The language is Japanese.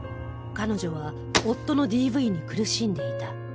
彼女は夫の ＤＶ に苦しんでいた